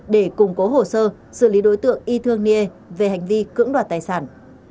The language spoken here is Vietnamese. để củng cố hồ sơ xử lý đối tượng y thương ne về hành vi cưỡng đoạt tài sản